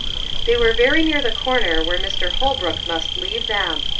They were very near the corner where Mr. Holbrook must leave them.